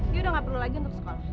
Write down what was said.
dia udah gak perlu lagi untuk sekolah